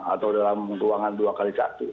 atau dalam ruangan dua kali satu